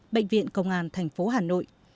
bệnh viện công an tp hà nội